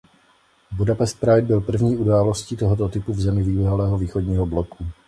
Budapest Pride byl první události tohoto typu v zemi bývalého Východního bloku.